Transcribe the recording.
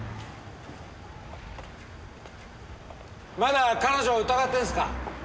まだ彼女を疑ってるんですか？